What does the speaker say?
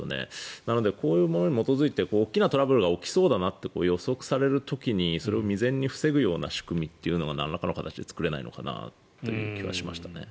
なので、こういうものに基づいて大きなトラブルが起きそうだなと予測できる時にそれを未然に防ぐような仕組みというのはなんらかの形で作れないのかなという気はしましたね。